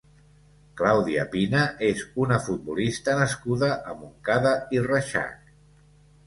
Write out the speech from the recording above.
Claudia Pina és una futbolista nascuda a Montcada i Reixac.